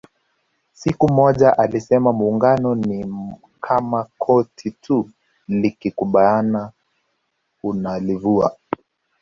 Siku moja alisema Muungano ni kama koti tu likikubana unalivua